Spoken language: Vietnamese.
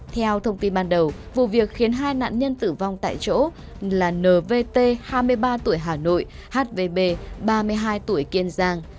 theo thông tin ban đầu vụ việc khiến hai nạn nhân tử vong tại chỗ là nvt hai mươi ba tuổi hà nội hvb ba mươi hai tuổi kiên giang